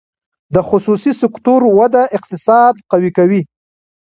د خصوصي سکتور وده اقتصاد قوي کوي